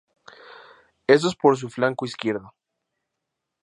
Estos por su flanco izquierdo.